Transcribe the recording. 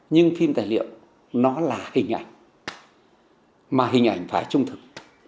nhưng phim tài liệu nó là hình ảnh mà hình ảnh phải trung thực